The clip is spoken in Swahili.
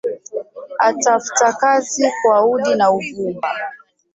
Atafta kazi kwa udi na uvumba